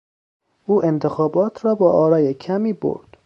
او انتخابات را با آرای کمی برد.